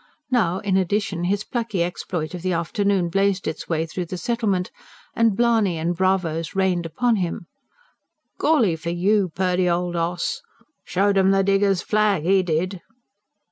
Now, in addition, his plucky exploit of the afternoon blazed its way through the settlement; and blarney and bravos rained upon him. "Golly for you, Purdy, old 'oss!" "Showed 'em the diggers' flag, 'e did!"